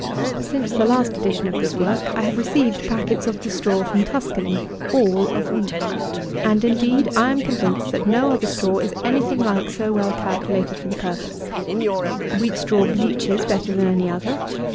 Since the last edition of this work, I have received packets of the straw from Tuscany, all of wheat; and, indeed, I am convinced that no other straw is any thing like so well calculated for the purpose. Wheat straw bleaches better than any other.